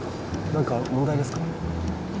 何か問題ですか？